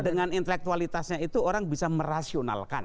dengan intelektualitasnya itu orang bisa merasionalkan